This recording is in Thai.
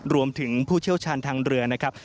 ผู้เชี่ยวชาญทางเรือนะครับ